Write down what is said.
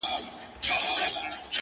پر باوړۍ باندي غویی یې وو لیدلی -